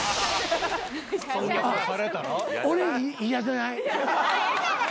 俺嫌じゃない。